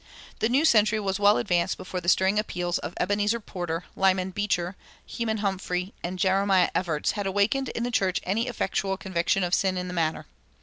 The new century was well advanced before the stirring appeals of Ebenezer Porter, Lyman Beecher, Heman Humphrey, and Jeremiah Evarts had awakened in the church any effectual conviction of sin in the matter.